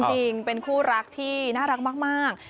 จริงเป็นคู่รักที่น่ารักมาก